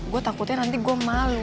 gue takutnya nanti gue malu